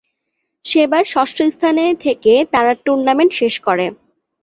সেবার ষষ্ঠ স্থানে থেকে তারা টুর্নামেন্ট শেষ করে।